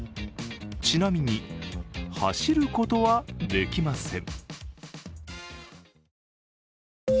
ちなみに、走ることはできません。